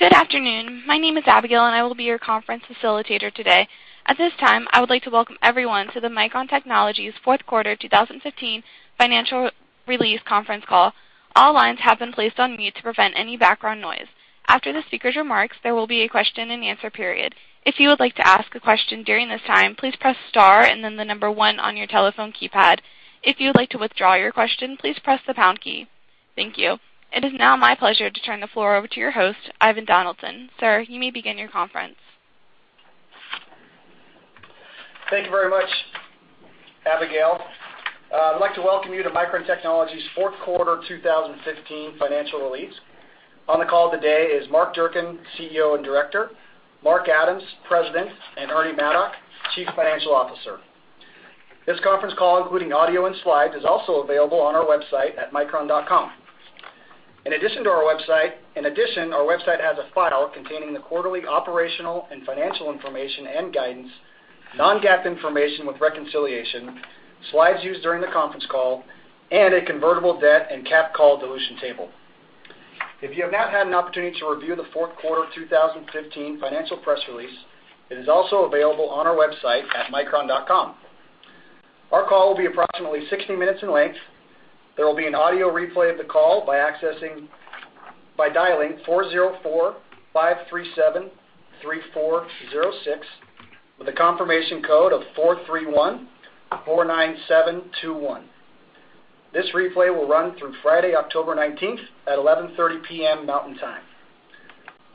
Good afternoon. My name is Abigail, and I will be your conference facilitator today. At this time, I would like to welcome everyone to Micron Technology's fourth quarter 2015 financial release conference call. All lines have been placed on mute to prevent any background noise. After the speaker's remarks, there will be a question and answer period. If you would like to ask a question during this time, please press star and then 1 on your telephone keypad. If you would like to withdraw your question, please press the pound key. Thank you. It is now my pleasure to turn the floor over to your host, Ivan Donaldson. Sir, you may begin your conference. Thank you very much, Abigail. I'd like to welcome you to Micron Technology's fourth quarter 2015 financial release. On the call today is Mark Durcan, CEO and Director, Mark Adams, President, and Ernie Maddock, Chief Financial Officer. This conference call, including audio and slides, is also available on our website at micron.com. In addition, our website has a file containing the quarterly operational and financial information and guidance, non-GAAP information with reconciliation, slides used during the conference call, and a convertible debt and cap call dilution table. If you have not had an opportunity to review the fourth quarter 2015 financial press release, it is also available on our website at micron.com. Our call will be approximately 60 minutes in length. There will be an audio replay of the call by dialing 404-537-3406 with a confirmation code of 43149721. This replay will run through Friday, October 19th at 11:30 P.M. Mountain Time.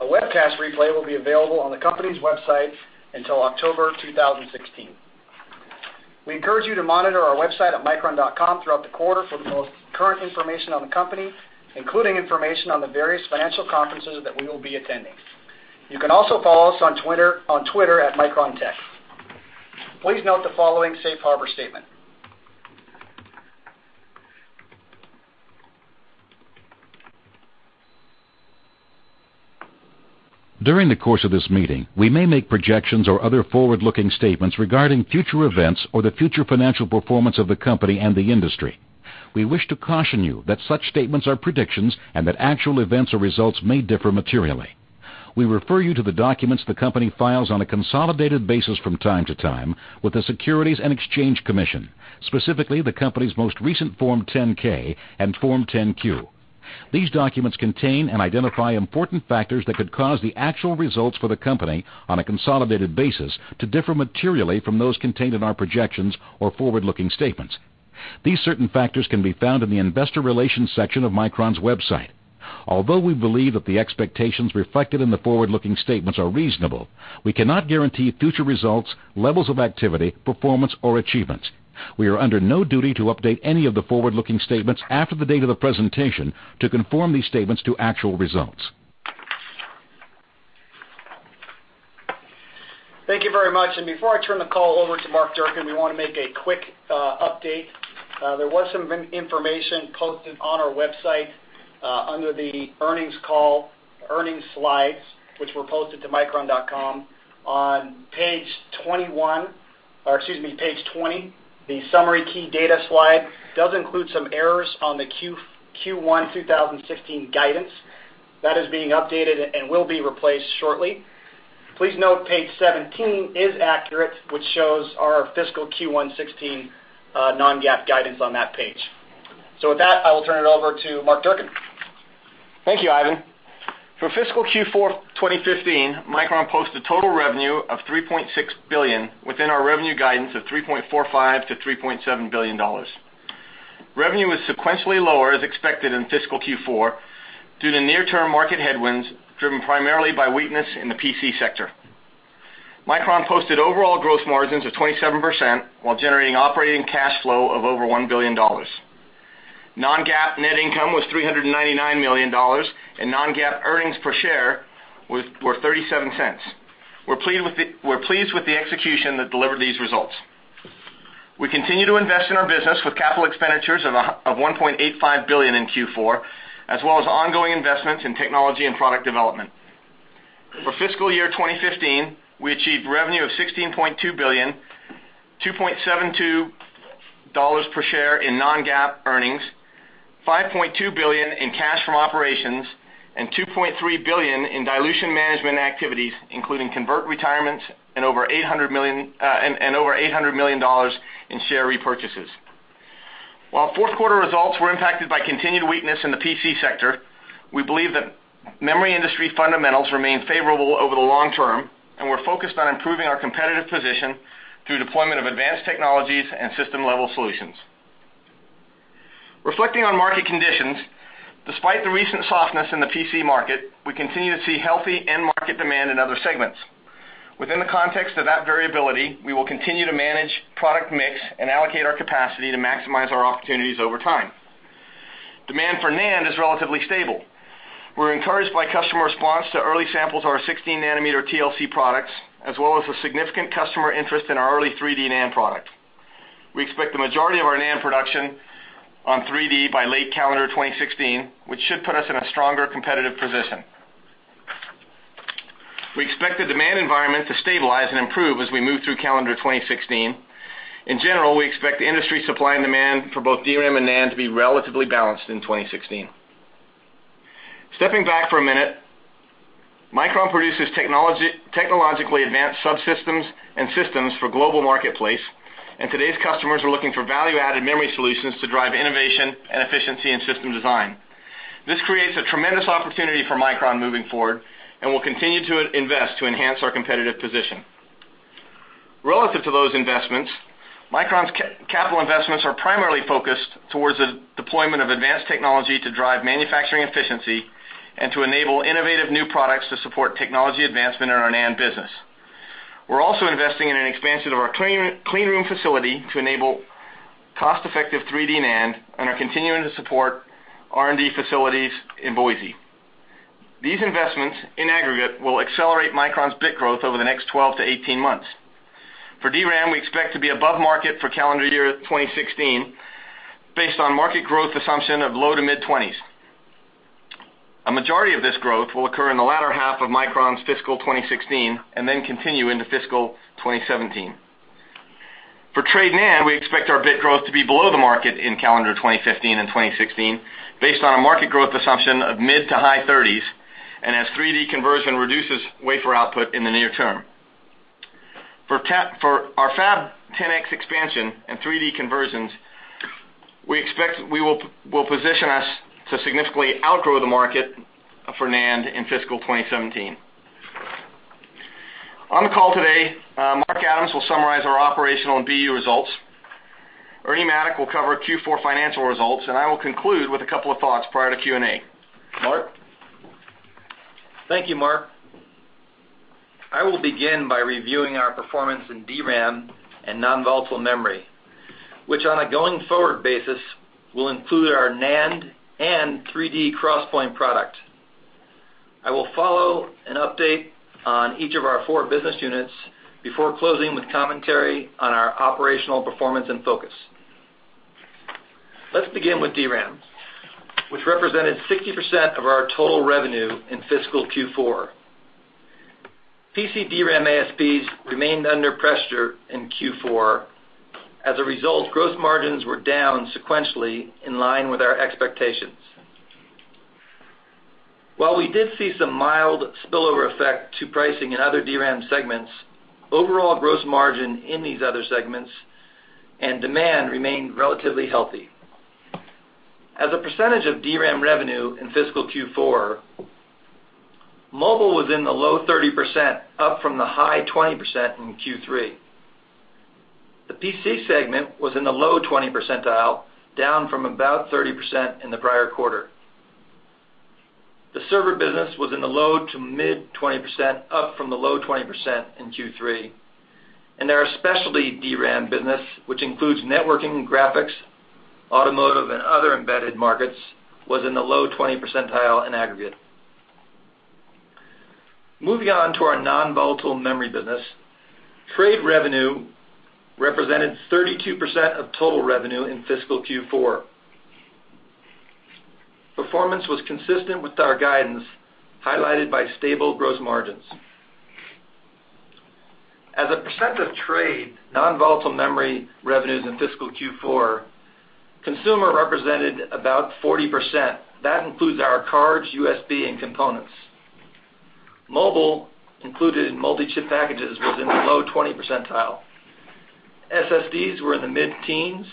A webcast replay will be available on the company's website until October 2016. We encourage you to monitor our website at micron.com throughout the quarter for the most current information on the company, including information on the various financial conferences that we will be attending. You can also follow us on Twitter @MicronTech. Please note the following safe harbor statement. During the course of this meeting, we may make projections or other forward-looking statements regarding future events or the future financial performance of the company and the industry. We wish to caution you that such statements are predictions and that actual events or results may differ materially. We refer you to the documents the company files on a consolidated basis from time to time with the Securities and Exchange Commission, specifically the company's most recent Form 10-K and Form 10-Q. These documents contain and identify important factors that could cause the actual results for the company on a consolidated basis to differ materially from those contained in our projections or forward-looking statements. These certain factors can be found in the investor relations section of Micron's website. Although we believe that the expectations reflected in the forward-looking statements are reasonable, we cannot guarantee future results, levels of activity, performance, or achievements. We are under no duty to update any of the forward-looking statements after the date of the presentation to conform these statements to actual results. Thank you very much. Before I turn the call over to Mark Durcan, we want to make a quick update. There was some information posted on our website under the earnings call, earnings slides, which were posted to micron.com. On page 20, the summary key data slide does include some errors on the Q1 2016 guidance. That is being updated and will be replaced shortly. Please note page 17 is accurate, which shows our fiscal Q16 non-GAAP guidance on that page. With that, I will turn it over to Mark Durcan. Thank you, Ivan. For fiscal Q4 2015, Micron posted total revenue of $3.6 billion within our revenue guidance of $3.45 billion-$3.7 billion. Revenue was sequentially lower as expected in fiscal Q4 due to near-term market headwinds driven primarily by weakness in the PC sector. Micron posted overall gross margins of 27% while generating operating cash flow of over $1 billion. Non-GAAP net income was $399 million, non-GAAP earnings per share were $0.37. We're pleased with the execution that delivered these results. We continue to invest in our business with capital expenditures of $1.85 billion in Q4, as well as ongoing investments in technology and product development. For fiscal year 2015, we achieved revenue of $16.2 billion, $2.72 per share in non-GAAP earnings, $5.2 billion in cash from operations, and $2.3 billion in dilution management activities, including convert retirements and over $800 million in share repurchases. Fourth quarter results were impacted by continued weakness in the PC sector, we believe that memory industry fundamentals remain favorable over the long term, and we're focused on improving our competitive position through deployment of advanced technologies and system-level solutions. Reflecting on market conditions, despite the recent softness in the PC market, we continue to see healthy end market demand in other segments. Within the context of that variability, we will continue to manage product mix and allocate our capacity to maximize our opportunities over time. Demand for NAND is relatively stable. We're encouraged by customer response to early samples of our 16-nanometer TLC products, as well as the significant customer interest in our early 3D NAND product. We expect the majority of our NAND production on 3D by late calendar 2016, which should put us in a stronger competitive position. We expect the demand environment to stabilize and improve as we move through calendar 2016. In general, we expect the industry supply and demand for both DRAM and NAND to be relatively balanced in 2016. Stepping back for a minute, Micron produces technologically advanced subsystems and systems for global marketplace, and today's customers are looking for value-added memory solutions to drive innovation and efficiency in system design. This creates a tremendous opportunity for Micron moving forward, and we'll continue to invest to enhance our competitive position. Relative to those investments, Micron's capital investments are primarily focused towards the deployment of advanced technology to drive manufacturing efficiency and to enable innovative new products to support technology advancement in our NAND business. We're also investing in an expansion of our clean room facility to enable cost-effective 3D NAND and are continuing to support R&D facilities in Boise. These investments, in aggregate, will accelerate Micron's bit growth over the next 12 to 18 months. For DRAM, we expect to be above market for calendar year 2016 based on market growth assumption of low to mid-20s. A majority of this growth will occur in the latter half of Micron's fiscal 2016 and then continue into fiscal 2017. For trade NAND, we expect our bit growth to be below the market in calendar 2015 and 2016, based on a market growth assumption of mid to high 30s and as 3D conversion reduces wafer output in the near term. For our Fab 10X expansion and 3D conversions, we expect we will position us to significantly outgrow the market for NAND in fiscal 2017. On the call today, Mark Adams will summarize our operational and BU results. Ernie Maddock will cover Q4 financial results, and I will conclude with a couple of thoughts prior to Q&A. Mark? Thank you, Mark. I will begin by reviewing our performance in DRAM and non-volatile memory, which, on a going-forward basis, will include our NAND and 3D XPoint product. I will follow an update on each of our four business units before closing with commentary on our operational performance and focus. Let's begin with DRAM, which represented 60% of our total revenue in fiscal Q4. PC DRAM ASPs remained under pressure in Q4. As a result, gross margins were down sequentially, in line with our expectations. While we did see some mild spillover effect to pricing in other DRAM segments, overall gross margin in these other segments and demand remained relatively healthy. As a percentage of DRAM revenue in fiscal Q4, mobile was in the low 30%, up from the high 20% in Q3. The PC segment was in the low 20 percentile, down from about 30% in the prior quarter. The server business was in the low to mid-20%, up from the low 20% in Q3. Our specialty DRAM business, which includes networking, graphics, automotive, and other embedded markets, was in the low 20% in aggregate. Moving on to our non-volatile memory business, trade revenue represented 32% of total revenue in fiscal Q4. Performance was consistent with our guidance, highlighted by stable gross margins. As a percent of trade, non-volatile memory revenues in fiscal Q4, consumer represented about 40%. That includes our cards, USB, and components. Mobile, included in multi-chip packages, was in the low 20%. SSDs were in the mid-teens,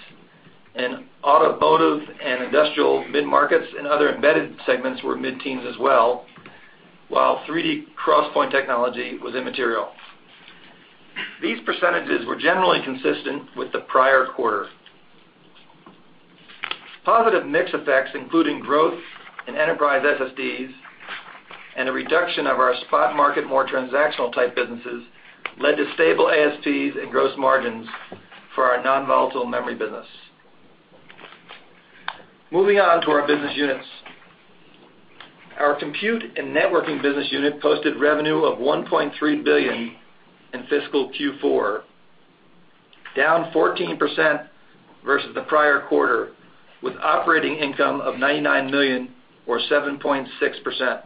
and automotive and industrial mid-markets and other embedded segments were mid-teens as well, while 3D XPoint technology was immaterial. These percentages were generally consistent with the prior quarter. Positive mix effects, including growth in enterprise SSDs and a reduction of our spot market, more transactional-type businesses, led to stable ASPs and gross margins for our non-volatile memory business. Moving on to our business units. Our Compute and Networking Business Unit posted revenue of $1.3 billion in fiscal Q4, down 14% versus the prior quarter, with operating income of $99 million or 7.6%.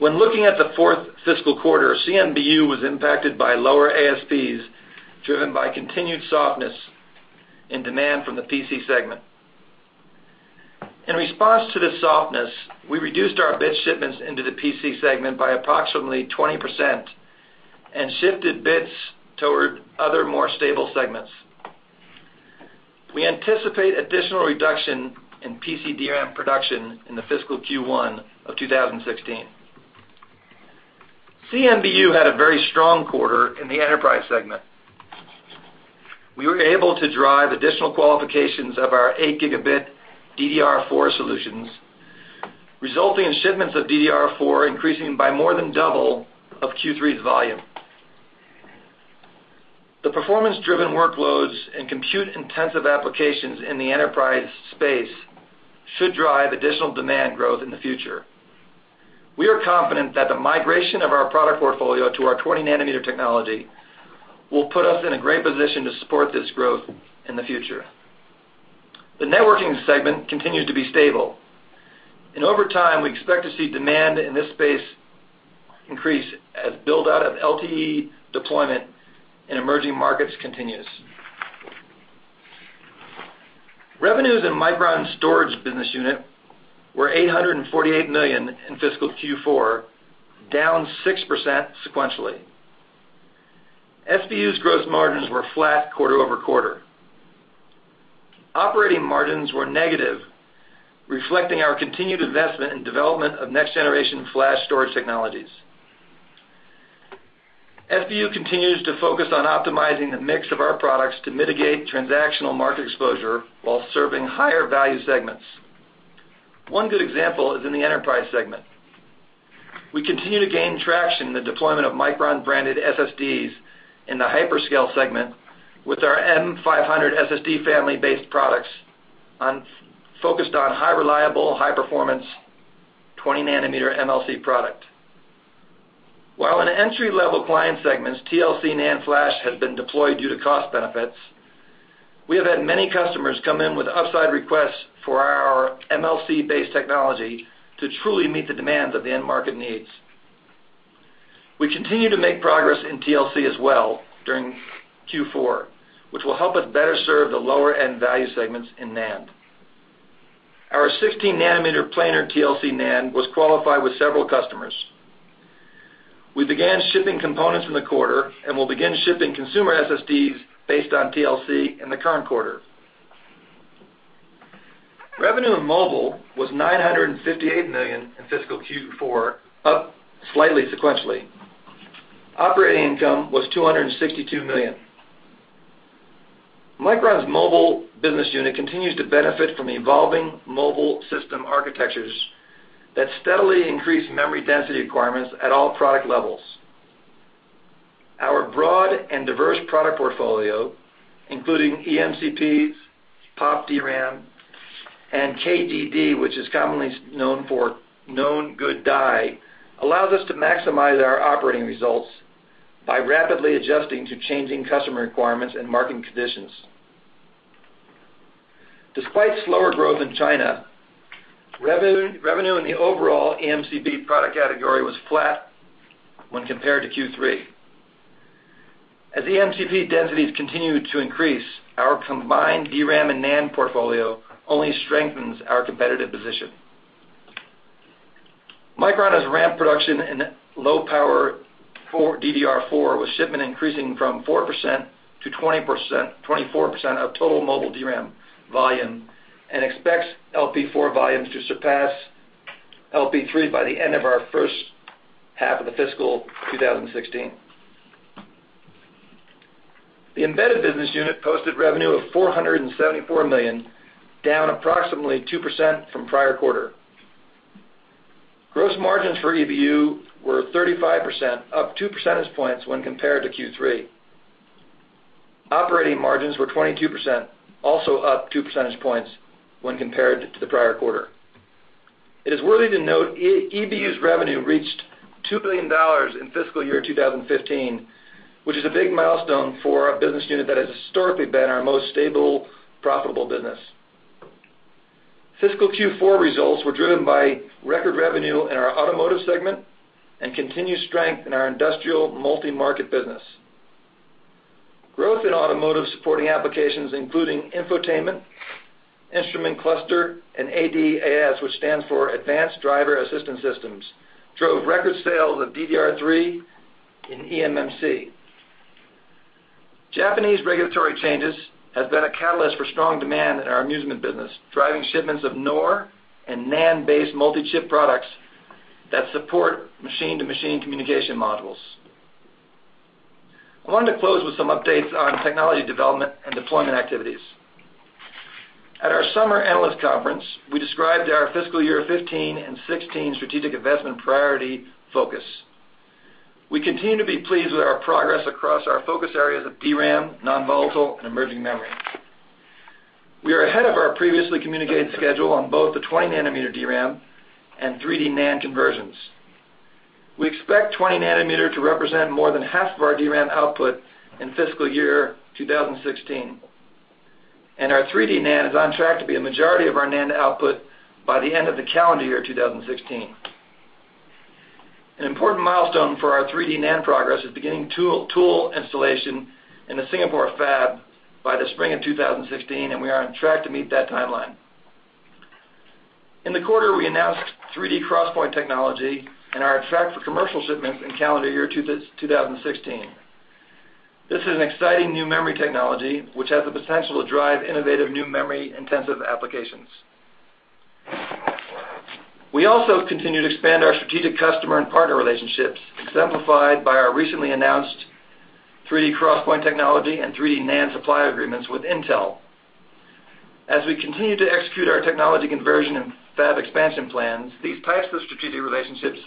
When looking at the fourth fiscal quarter, CNBU was impacted by lower ASPs, driven by continued softness in demand from the PC segment. In response to this softness, we reduced our bit shipments into the PC segment by approximately 20% and shifted bits toward other, more stable segments. We anticipate additional reduction in PC DRAM production in the fiscal Q1 of 2016. CNBU had a very strong quarter in the enterprise segment. We were able to drive additional qualifications of our 8-gigabit DDR4 solutions, resulting in shipments of DDR4 increasing by more than double of Q3's volume. The performance-driven workloads and compute-intensive applications in the enterprise space should drive additional demand growth in the future. We are confident that the migration of our product portfolio to our 20-nanometer technology will put us in a great position to support this growth in the future. The networking segment continues to be stable. Over time, we expect to see demand in this space increase as build-out of LTE deployment in emerging markets continues. Revenues in Micron's Storage Business Unit were $848 million in fiscal Q4, down 6% sequentially. SBU's gross margins were flat quarter-over-quarter. Operating margins were negative, reflecting our continued investment in development of next-generation flash storage technologies. SBU continues to focus on optimizing the mix of our products to mitigate transactional market exposure while serving higher-value segments. One good example is in the enterprise segment. We continue to gain traction in the deployment of Micron-branded SSDs in the hyperscale segment with our M500 SSD family-based products focused on high reliable, high-performance 20-nanometer MLC product. While in entry-level client segments, TLC NAND flash has been deployed due to cost benefits. We have had many customers come in with upside requests for our MLC-based technology to truly meet the demands of the end market needs. We continued to make progress in TLC as well during Q4, which will help us better serve the lower-end value segments in NAND. Our 16-nanometer planar TLC NAND was qualified with several customers. We began shipping components in the quarter and will begin shipping consumer SSDs based on TLC in the current quarter. Revenue in mobile was $958 million in fiscal Q4, up slightly sequentially. Operating income was $262 million. Micron's mobile business unit continues to benefit from evolving mobile system architectures that steadily increase memory density requirements at all product levels. Our broad and diverse product portfolio, including eMCPs, PoP DRAM, and KGD, which is commonly known for Known Good Die, allows us to maximize our operating results by rapidly adjusting to changing customer requirements and market conditions. Despite slower growth in China, revenue in the overall eMCP product category was flat when compared to Q3. As eMCP densities continue to increase, our combined DRAM and NAND portfolio only strengthens our competitive position. Micron has ramped production in low-power DDR4, with shipment increasing from 4% to 24% of total mobile DRAM volume and expects LP4 volumes to surpass LP3 by the end of our first half of the fiscal 2016. The embedded business unit posted revenue of $474 million, down approximately 2% from prior quarter. Gross margins for EBU were 35%, up 2 percentage points when compared to Q3. Operating margins were 22%, also up 2 percentage points when compared to the prior quarter. It is worthy to note EBU's revenue reached $2 billion in fiscal year 2015, which is a big milestone for a business unit that has historically been our most stable, profitable business. Fiscal Q4 results were driven by record revenue in our automotive segment and continued strength in our industrial multi-market business. Growth in automotive supporting applications, including infotainment, instrument cluster, and ADAS, which stands for Advanced Driver-Assistance Systems, drove record sales of DDR3 in eMMC. Japanese regulatory changes have been a catalyst for strong demand in our amusement business, driving shipments of NOR and NAND-based multi-chip products that support machine-to-machine communication modules. I wanted to close with some updates on technology development and deployment activities. At our summer analyst conference, we described our fiscal year 2015 and 2016 strategic investment priority focus. We continue to be pleased with our progress across our focus areas of DRAM, non-volatile, and emerging memory. We are ahead of our previously communicated schedule on both the 20-nanometer DRAM and 3D NAND conversions. We expect 20-nanometer to represent more than half of our DRAM output in fiscal year 2016. Our 3D NAND is on track to be a majority of our NAND output by the end of the calendar year 2016. An important milestone for our 3D NAND progress is beginning tool installation in the Singapore fab by the spring of 2016, and we are on track to meet that timeline. In the quarter, we announced 3D XPoint technology and are on track for commercial shipments in calendar year 2016. This is an exciting new memory technology, which has the potential to drive innovative new memory-intensive applications. We also continue to expand our strategic customer and partner relationships, exemplified by our recently announced 3D XPoint technology and 3D NAND supply agreements with Intel. As we continue to execute our technology conversion and fab expansion plans, these types of strategic relationships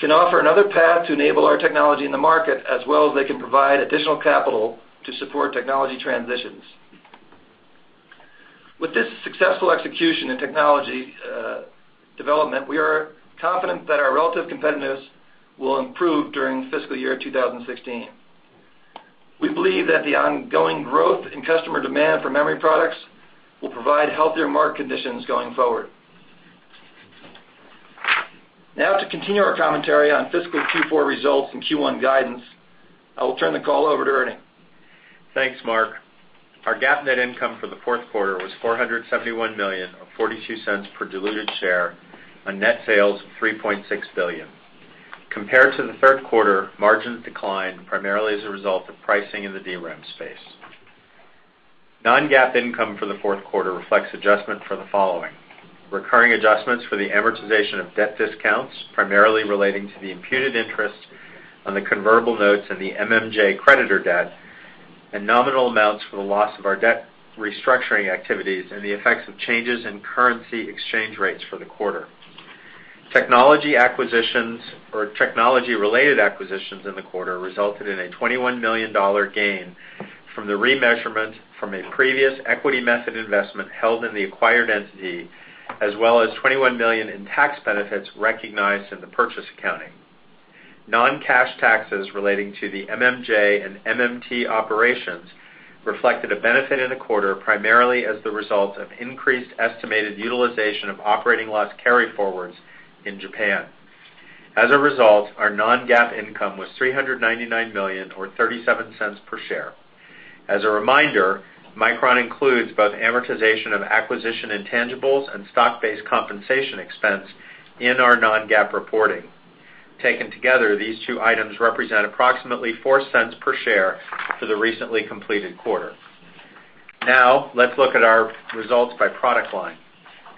can offer another path to enable our technology in the market as well as they can provide additional capital to support technology transitions. With this successful execution in technology development, we are confident that our relative competitiveness will improve during fiscal year 2016. We believe that the ongoing growth in customer demand for memory products will provide healthier market conditions going forward. To continue our commentary on fiscal Q4 results and Q1 guidance, I will turn the call over to Ernie. Thanks, Mark. Our GAAP net income for the fourth quarter was $471 million, or $0.42 per diluted share, on net sales of $3.6 billion. Compared to the third quarter, margins declined primarily as a result of pricing in the DRAM space. Non-GAAP income for the fourth quarter reflects adjustment for the following. Recurring adjustments for the amortization of debt discounts, primarily relating to the imputed interest on the convertible notes and the MMJ creditor debt, and nominal amounts for the loss of our debt restructuring activities, and the effects of changes in currency exchange rates for the quarter. Technology-related acquisitions in the quarter resulted in a $21 million gain from the remeasurement from a previous equity method investment held in the acquired entity, as well as $21 million in tax benefits recognized in the purchase accounting. Non-cash taxes relating to the MMJ and MMT operations reflected a benefit in the quarter, primarily as the result of increased estimated utilization of operating loss carryforwards in Japan. As a result, our non-GAAP income was $399 million, or $0.37 per share. As a reminder, Micron includes both amortization of acquisition intangibles and stock-based compensation expense in our non-GAAP reporting. Taken together, these two items represent approximately $0.04 per share for the recently completed quarter. Let's look at our results by product line.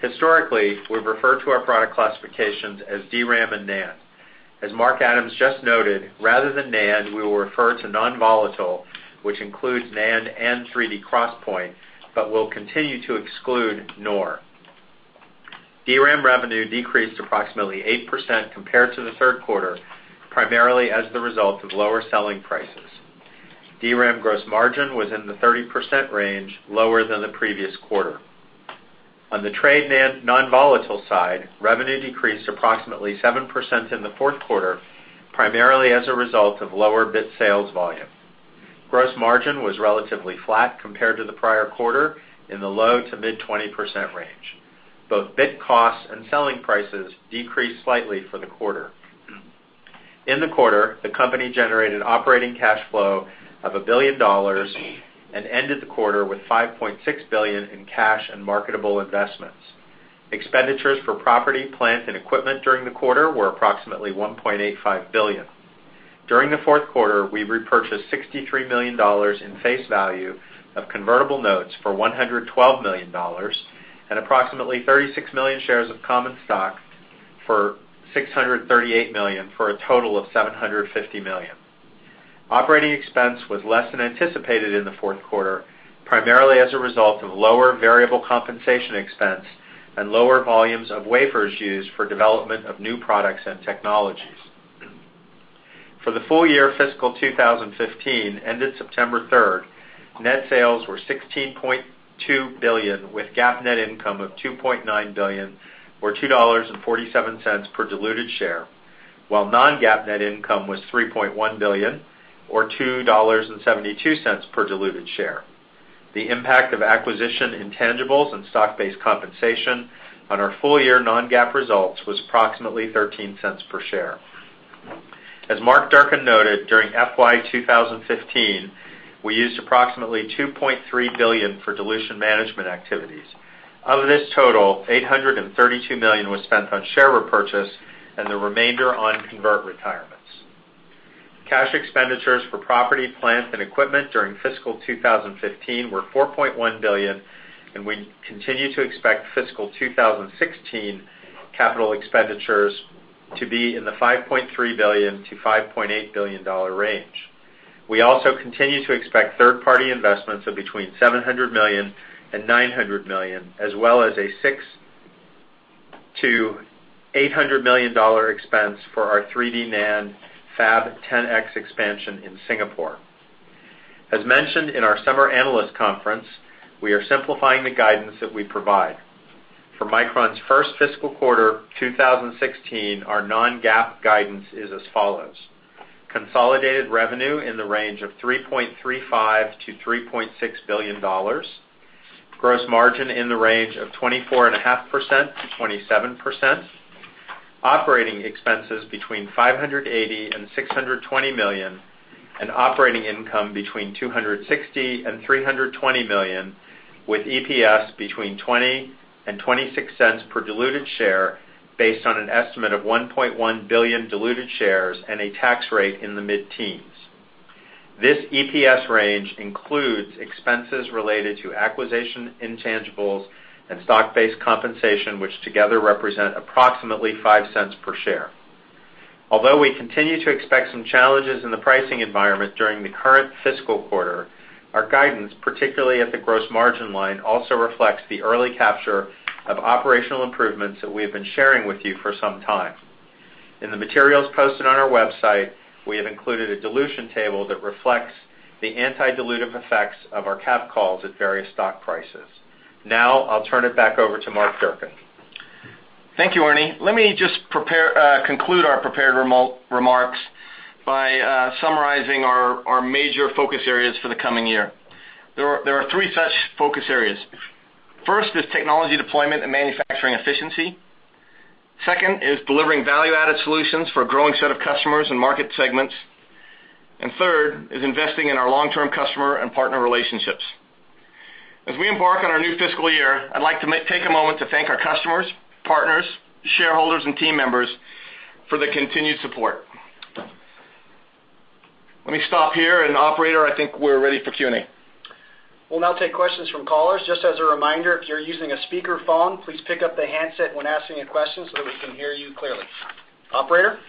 Historically, we've referred to our product classifications as DRAM and NAND. As Mark Adams just noted, rather than NAND, we will refer to non-volatile, which includes NAND and 3D XPoint, but will continue to exclude NOR. DRAM revenue decreased approximately 8% compared to the third quarter, primarily as the result of lower selling prices. DRAM gross margin was in the 30% range, lower than the previous quarter. On the trade NAND non-volatile side, revenue decreased approximately 7% in the fourth quarter, primarily as a result of lower bit sales volume. Gross margin was relatively flat compared to the prior quarter, in the low to mid-20% range. Both bit costs and selling prices decreased slightly for the quarter. In the quarter, the company generated operating cash flow of $1 billion and ended the quarter with $5.6 billion in cash and marketable investments. Expenditures for property, plant, and equipment during the quarter were approximately $1.85 billion. During the fourth quarter, we repurchased $63 million in face value of convertible notes for $112 million, and approximately 36 million shares of common stock for $638 million, for a total of $750 million. Operating expense was less than anticipated in the fourth quarter, primarily as a result of lower variable compensation expense and lower volumes of wafers used for development of new products and technologies. For the full year fiscal 2015, ended September 3rd, net sales were $16.2 billion, with GAAP net income of $2.9 billion, or $2.47 per diluted share, while non-GAAP net income was $3.1 billion, or $2.72 per diluted share. The impact of acquisition intangibles and stock-based compensation on our full-year non-GAAP results was approximately $0.13 per share. As Mark Durcan noted, during FY 2015, we used approximately $2.3 billion for dilution management activities. Of this total, $832 million was spent on share repurchase and the remainder on convert retirements. Cash expenditures for property, plant, and equipment during fiscal 2015 were $4.1 billion. We also continue to expect fiscal 2016 capital expenditures to be in the $5.3 billion-$5.8 billion range. We also continue to expect third-party investments of between $700 million and $900 million, as well as a $600 million-$800 million expense for our 3D NAND Fab 10X expansion in Singapore. As mentioned in our summer analyst conference, we are simplifying the guidance that we provide. For Micron's first fiscal quarter 2016, our non-GAAP guidance is as follows. Consolidated revenue in the range of $3.35 billion-$3.6 billion, gross margin in the range of 24.5%-27%, operating expenses between $580 million and $620 million, and operating income between $260 million and $320 million, with EPS between $0.20 and $0.26 per diluted share, based on an estimate of 1.1 billion diluted shares and a tax rate in the mid-teens. This EPS range includes expenses related to acquisition intangibles and stock-based compensation, which together represent approximately $0.05 per share. Although we continue to expect some challenges in the pricing environment during the current fiscal quarter, our guidance, particularly at the gross margin line, also reflects the early capture of operational improvements that we have been sharing with you for some time. In the materials posted on our website, we have included a dilution table that reflects the anti-dilutive effects of our cap calls at various stock prices. I'll turn it back over to Mark Durcan. Thank you, Ernie. Let me just conclude our prepared remarks by summarizing our major focus areas for the coming year. There are three such focus areas. First is technology deployment and manufacturing efficiency. Second is delivering value-added solutions for a growing set of customers and market segments. Third is investing in our long-term customer and partner relationships. As we embark on our new fiscal year, I'd like to take a moment to thank our customers, partners, shareholders, and team members for the continued support. Let me stop here, operator, I think we're ready for Q&A. We'll now take questions from callers. Just as a reminder, if you're using a speakerphone, please pick up the handset when asking a question so that we can hear you clearly. Operator?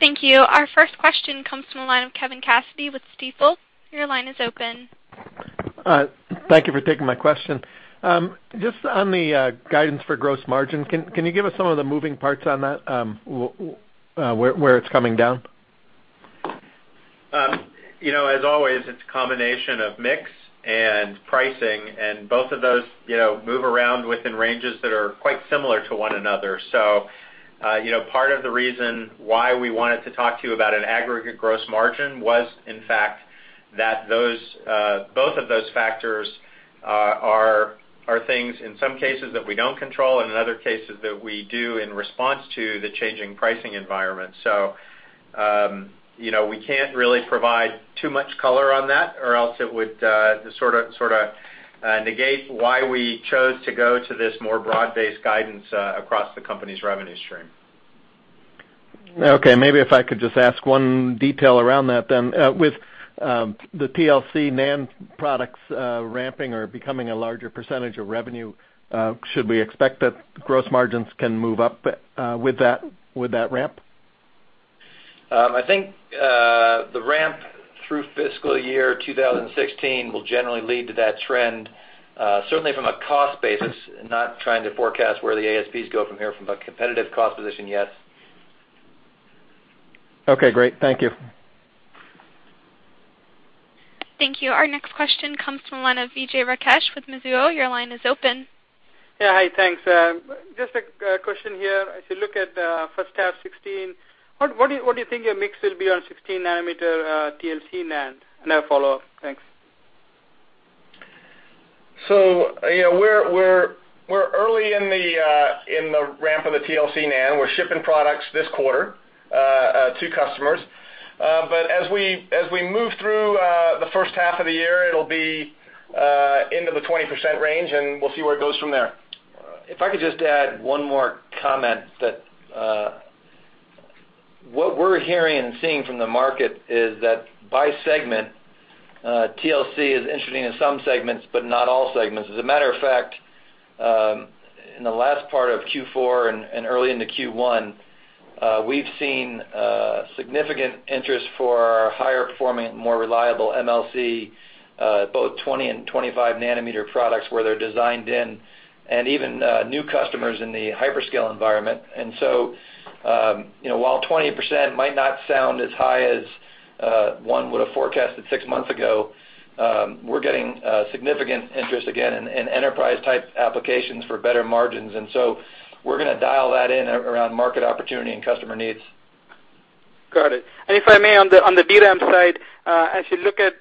Thank you. Our first question comes from the line of Kevin Cassidy with Stifel. Your line is open. Thank you for taking my question. Just on the guidance for gross margin, can you give us some of the moving parts on that, where it's coming down? As always, it's a combination of mix and pricing, and both of those move around within ranges that are quite similar to one another. Part of the reason why we wanted to talk to you about an aggregate gross margin was, in fact, that both of those factors are things, in some cases, that we don't control, and in other cases, that we do in response to the changing pricing environment. We can't really provide too much color on that, or else it would sort of negate why we chose to go to this more broad-based guidance across the company's revenue stream. Okay, maybe if I could just ask one detail around that, then. With the TLC NAND products ramping or becoming a larger percentage of revenue, should we expect that gross margins can move up with that ramp? I think the ramp through fiscal year 2016 will generally lead to that trend, certainly from a cost basis, not trying to forecast where the ASPs go from here from a competitive cost position yet. Okay, great. Thank you. Thank you. Our next question comes from the line of Vijay Rakesh with Mizuho. Your line is open. Yeah, hi. Thanks. Just a question here. As you look at the first half 2016, what do you think your mix will be on 16-nanometer TLC NAND? I have a follow-up. Thanks. We're early in the ramp of the TLC NAND. We're shipping products this quarter to customers. As we move through the first half of the year, it'll be into the 20% range, and we'll see where it goes from there. If I could just add one more comment that what we're hearing and seeing from the market is that by segment, TLC is interesting in some segments, but not all segments. As a matter of fact, in the last part of Q4 and early into Q1, we've seen significant interest for our higher-performing, more reliable MLC, both 20 and 25-nanometer products where they're designed in, and even new customers in the hyperscale environment. While 20% might not sound as high as one would have forecasted six months ago, we're getting significant interest again in enterprise-type applications for better margins. We're going to dial that in around market opportunity and customer needs. Got it. If I may, on the DRAM side, as you look at,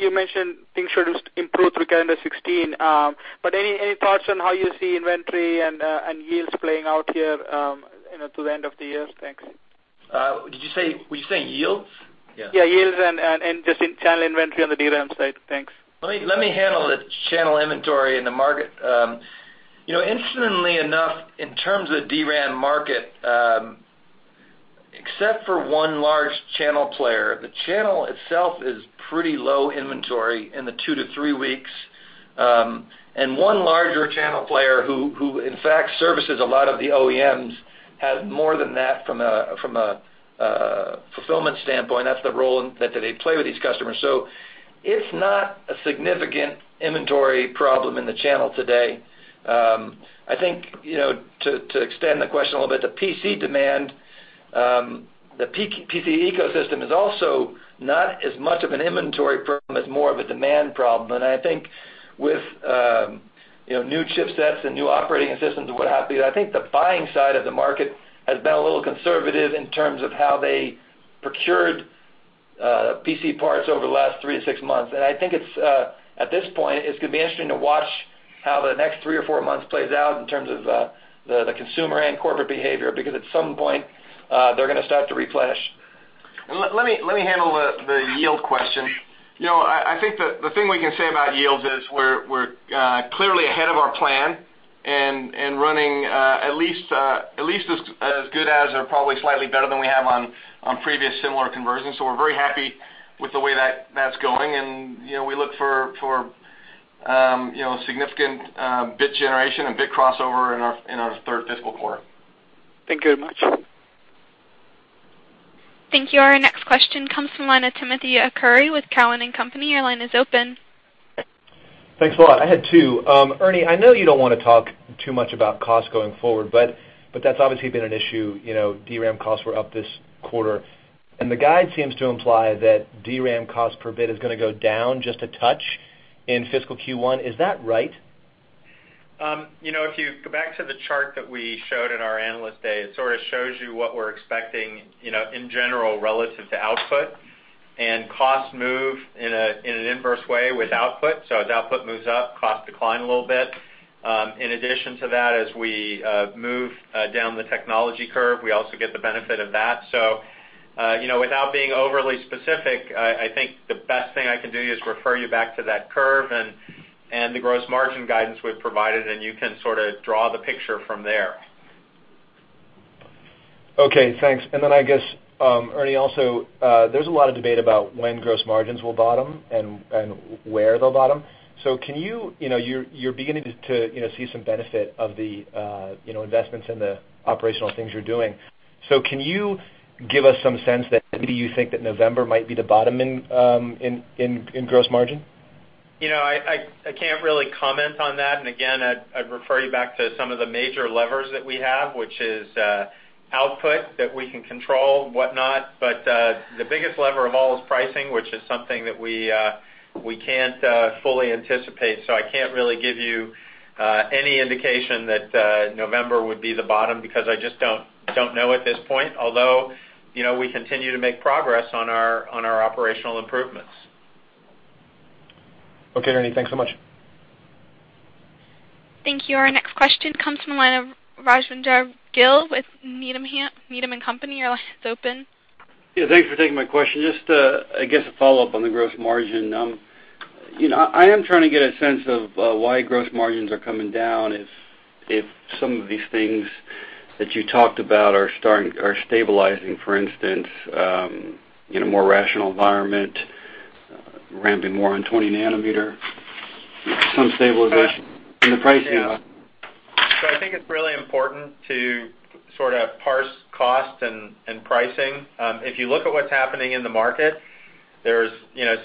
you mentioned things should improve through calendar 2016. Any thoughts on how you see inventory and yields playing out here to the end of the year? Thanks. Were you saying yields? Yeah, yields and just channel inventory on the DRAM side. Thanks. Let me handle the channel inventory and the market. Incidentally enough, in terms of the DRAM market, except for one large channel player, the channel itself is pretty low inventory in the two to three weeks. One larger channel player who, in fact, services a lot of the OEMs, has more than that from a fulfillment standpoint. That's the role that they play with these customers. It's not a significant inventory problem in the channel today. I think, to extend the question a little bit, the PC demand, the PC ecosystem is also not as much of an inventory problem as more of a demand problem. I think with new chipsets and new operating systems and what have you, I think the buying side of the market has been a little conservative in terms of how they procured PC parts over the last three to six months. I think at this point, it's going to be interesting to watch how the next three or four months plays out in terms of the consumer and corporate behavior, because at some point, they're going to start to replenish. Let me handle the yield question. I think that the thing we can say about yields is we're clearly ahead of our plan and running at least as good as, or probably slightly better than we have on previous similar conversions. We're very happy with the way that's going, and we look for significant bit generation and bit crossover in our third fiscal quarter. Thank you very much. Thank you. Our next question comes from the line of Timothy Arcuri with Cowen and Company. Your line is open. Thanks a lot. I had two. Ernie, I know you don't want to talk too much about cost going forward, but that's obviously been an issue. DRAM costs were up this quarter. The guide seems to imply that DRAM cost per bit is going to go down just a touch in fiscal Q1. Is that right? If you go back to the chart that we showed at our Analyst Day, it sort of shows you what we're expecting, in general, relative to output. Costs move in an inverse way with output. As output moves up, costs decline a little bit. In addition to that, as we move down the technology curve, we also get the benefit of that. Without being overly specific, I think the best thing I can do is refer you back to that curve and the gross margin guidance we've provided, and you can sort of draw the picture from there. Okay, thanks. Then I guess, Ernie, also, there's a lot of debate about when gross margins will bottom and where they'll bottom. You're beginning to see some benefit of the investments and the operational things you're doing. Can you give us some sense that maybe you think that November might be the bottom in gross margin? I can't really comment on that. Again, I'd refer you back to some of the major levers that we have, which is output that we can control, whatnot. The biggest lever of all is pricing, which is something that we can't fully anticipate. I can't really give you any indication that November would be the bottom, because I just don't know at this point. Although, we continue to make progress on our operational improvements. Okay, Ernie. Thanks so much. Thank you. Our next question comes from the line of Rajvindra Gill with Needham & Company. Your line is open. Yeah, thanks for taking my question. Just, I guess, a follow-up on the gross margin. I am trying to get a sense of why gross margins are coming down, if some of these things that you talked about are stabilizing, for instance, in a more rational environment, ramping more on 20 nanometer, some stabilization in the pricing. I think it's really important to sort of parse cost and pricing. If you look at what's happening in the market, there's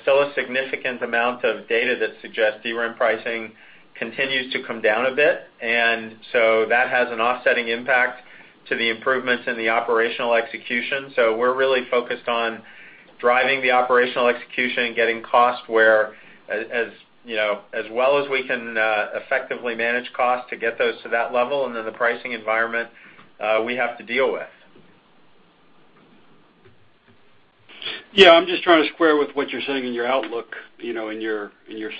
still a significant amount of data that suggests DRAM pricing continues to come down a bit. That has an offsetting impact to the improvements in the operational execution. We're really focused on driving the operational execution and getting costs where, as well as we can effectively manage cost to get those to that level, and then the pricing environment we have to deal with. Yeah, I'm just trying to square with what you're saying in your outlook, in your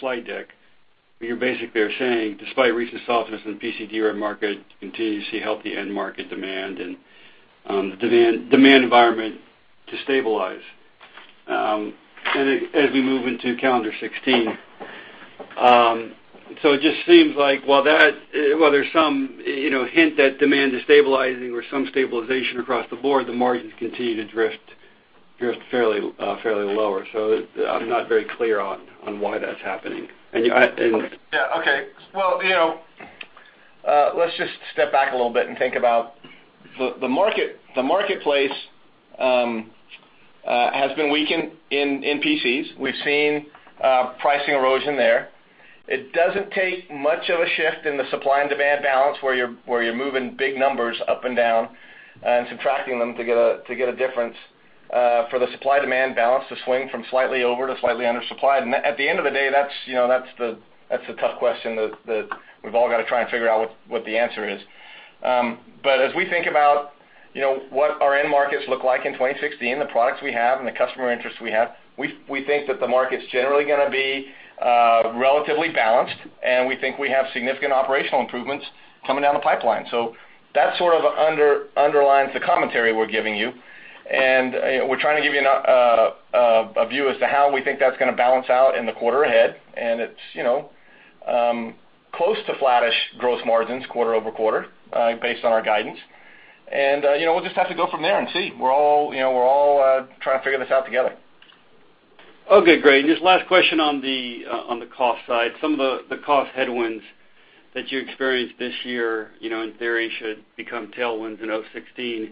slide deck. You basically are saying, despite recent softness in the PC DRAM market, you continue to see healthy end market demand and demand environment to stabilize as we move into calendar 2016. It just seems like while there's some hint that demand is stabilizing or some stabilization across the board, the margins continue to drift fairly lower. I'm not very clear on why that's happening. Yeah. Okay. Well, let's just step back a little bit and think about the marketplace has been weakened in PCs. We've seen pricing erosion there. It doesn't take much of a shift in the supply and demand balance where you're moving big numbers up and down and subtracting them to get a difference for the supply-demand balance to swing from slightly over to slightly under supplied. At the end of the day, that's a tough question that we've all got to try and figure out what the answer is. As we think about what our end markets look like in 2016, the products we have and the customer interest we have, we think that the market's generally going to be relatively balanced, and we think we have significant operational improvements coming down the pipeline. That sort of underlines the commentary we're giving you. We're trying to give you a view as to how we think that's going to balance out in the quarter ahead. It's close to flattish gross margins quarter-over-quarter based on our guidance. We'll just have to go from there and see. We're all trying to figure this out together. Okay, great. Just last question on the cost side. Some of the cost headwinds that you experienced this year, in theory, should become tailwinds in 2016.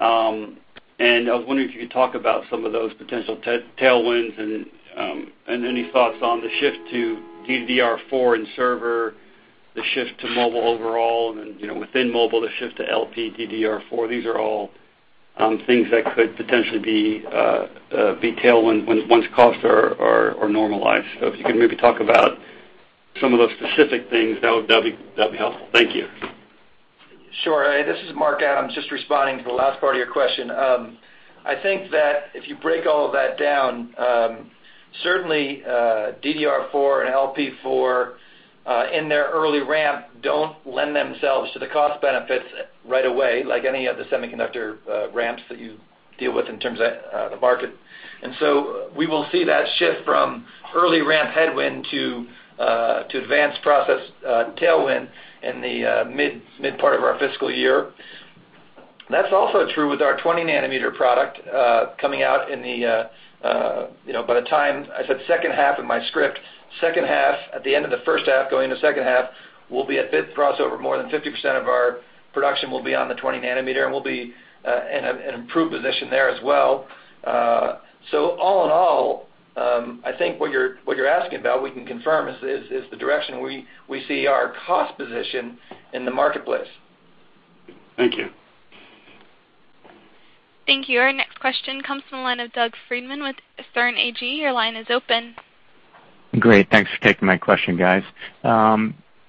I was wondering if you could talk about some of those potential tailwinds and any thoughts on the shift to DDR4 in server, the shift to mobile overall, and within mobile, the shift to LPDDR4. These are all things that could potentially be tailwind once costs are normalized. If you could maybe talk about some of those specific things, that would be helpful. Thank you. Sure. This is Mark Adams, just responding to the last part of your question. I think that if you break all of that down, certainly DDR4 and LP4, in their early ramp, don't lend themselves to the cost benefits right away, like any of the semiconductor ramps that you deal with in terms of the market. We will see that shift from early ramp headwind to advanced process tailwind in the mid part of our fiscal year. That's also true with our 20 nanometer product coming out by the time, I said second half in my script. Second half, at the end of the first half, going into the second half, we'll be at bit crossover. More than 50% of our production will be on the 20 nanometer, and we'll be in an improved position there as well. All in all, I think what you're asking about, we can confirm, is the direction we see our cost position in the marketplace. Thank you. Thank you. Our next question comes from the line of Doug Freedman with Sterne Agee. Your line is open. Great. Thanks for taking my question, guys.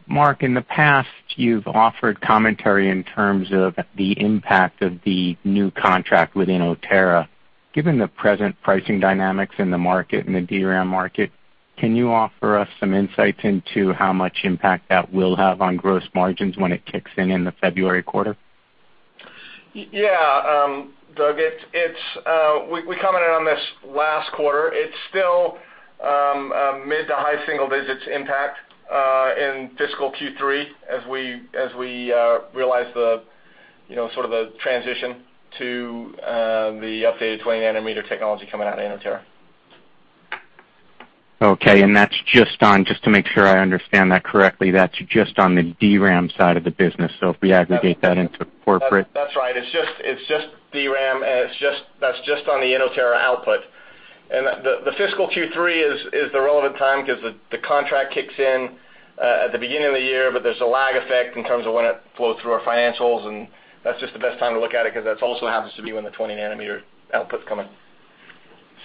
Mark, in the past, you've offered commentary in terms of the impact of the new contract within Inotera. Given the present pricing dynamics in the market, in the DRAM market, can you offer us some insights into how much impact that will have on gross margins when it kicks in the February quarter? Yeah. Doug, we commented on this last quarter. It's still mid to high single digits impact in fiscal Q3 as we realize the sort of a transition to the updated 20 nanometer technology coming out of Inotera. Okay. Just to make sure I understand that correctly, that's just on the DRAM side of the business. If we aggregate that into corporate. That's right. It's just DRAM, and that's just on the Inotera output. The fiscal Q3 is the relevant time because the contract kicks in at the beginning of the year, but there's a lag effect in terms of when it flows through our financials, and that's just the best time to look at it, because that also happens to be when the 20 nanometer output's coming.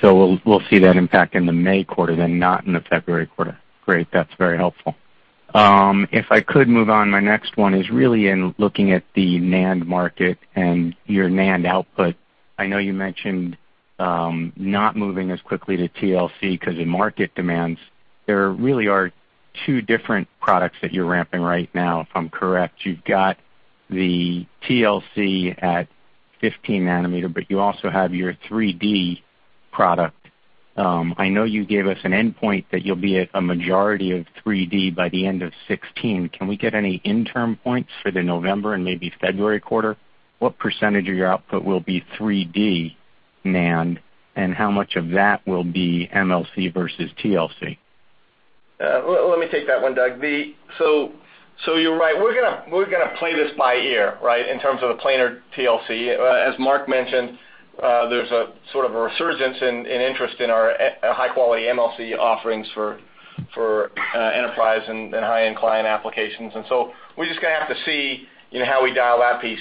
We'll see that impact in the May quarter, then not in the February quarter. Great. That's very helpful. If I could move on, my next one is really in looking at the NAND market and your NAND output. I know you mentioned not moving as quickly to TLC because of market demands. There really are two different products that you're ramping right now, if I'm correct. You've got the TLC at 15 nanometer, but you also have your 3D product. I know you gave us an endpoint that you'll be at a majority of 3D by the end of 2016. Can we get any interim points for the November and maybe February quarter? What % of your output will be 3D NAND, and how much of that will be MLC versus TLC? Let me take that one, Doug. You're right. We're going to play this by ear, right, in terms of the planar TLC. As Mark mentioned, there's a sort of a resurgence in interest in our high-quality MLC offerings for enterprise and high-end client applications. We're just going to have to see how we dial that piece.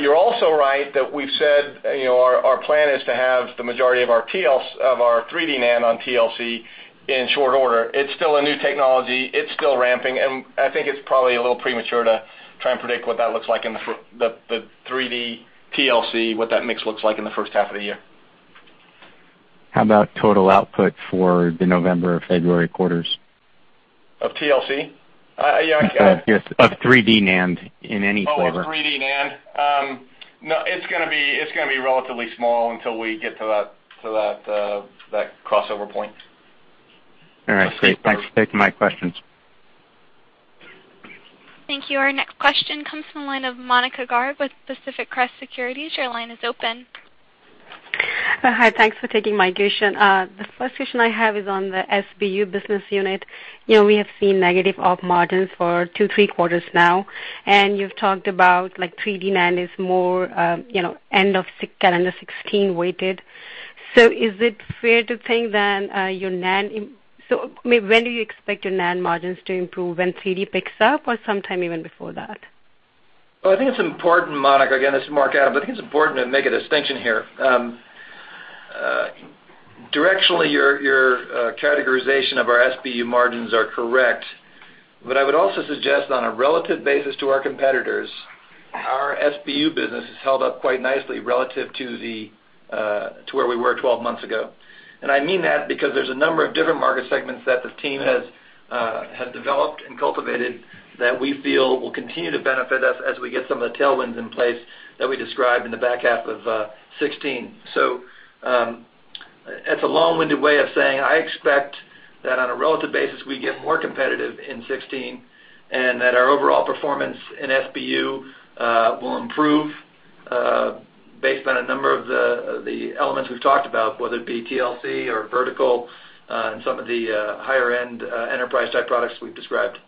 You're also right that we've said our plan is to have the majority of our 3D NAND on TLC in short order. It's still a new technology. It's still ramping, and I think it's probably a little premature to try and predict what that looks like in the 3D TLC, what that mix looks like in the first half of the year. How about total output for the November, February quarters? Of TLC? Of 3D NAND in any quarter. Oh, 3D NAND. No, it's going to be relatively small until we get to that crossover point. All right. Great. Thanks for taking my questions. Thank you. Our next question comes from the line of Monika Garg with Pacific Crest Securities. Your line is open. Hi. Thanks for taking my question. The first question I have is on the SBU business unit. We have seen negative op margins for two, three quarters now, and you've talked about 3D NAND is more end of calendar 2016 weighted. When do you expect your NAND margins to improve, when 3D picks up or sometime even before that? Well, I think it's important, Monika, again, this is Mark Adams. I think it's important to make a distinction here. Directionally, your categorization of our SBU margins are correct. I would also suggest on a relative basis to our competitors, our SBU business has held up quite nicely relative to where we were 12 months ago. I mean that because there's a number of different market segments that the team has developed and cultivated that we feel will continue to benefit us as we get some of the tailwinds in place that we described in the back half of 2016. It's a long-winded way of saying, I expect that on a relative basis, we get more competitive in 2016, and that our overall performance in SBU will improve based on a number of the elements we've talked about, whether it be TLC or vertical, and some of the higher-end enterprise-type products we've described.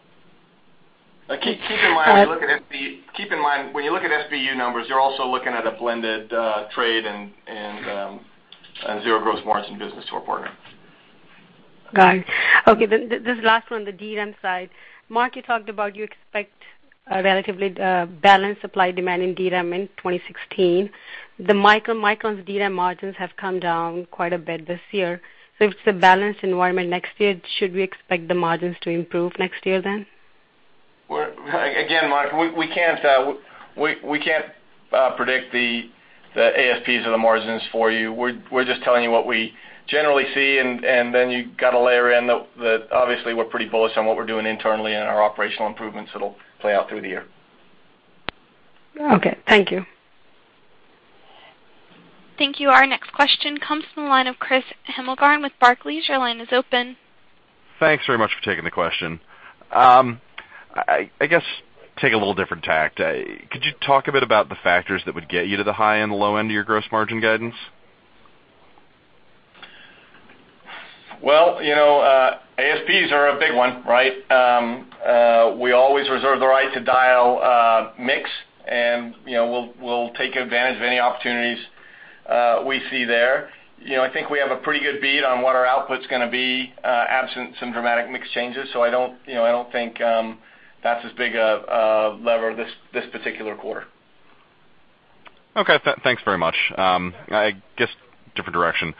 Keep in mind, when you look at SBU numbers, you're also looking at a blended trade and zero gross margin business to our partner. Got it. Okay, this is the last one, the DRAM side. Mark, you talked about you expect a relatively balanced supply-demand in DRAM in 2016. Micron's DRAM margins have come down quite a bit this year. If it's a balanced environment next year, should we expect the margins to improve next year then? Again, Mark, we can't predict the ASPs or the margins for you. We're just telling you what we generally see, you got to layer in obviously, we're pretty bullish on what we're doing internally and our operational improvements that'll play out through the year. Okay. Thank you. Thank you. Our next question comes from the line of Chris Hemmelgarn with Barclays. Your line is open. Thanks very much for taking the question. I guess take a little different tact. Could you talk a bit about the factors that would get you to the high and the low end of your gross margin guidance? Well, ASPs are a big one, right? We always reserve the right to dial mix, and we'll take advantage of any opportunities we see there. I think we have a pretty good bead on what our output's going to be, absent some dramatic mix changes. I don't think that's as big a lever this particular quarter. Okay, thanks very much. I guess different direction.